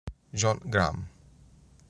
John Graham